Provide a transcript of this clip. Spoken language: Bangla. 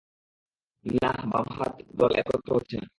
না, বামহাত, দল একত্র হচ্ছে না।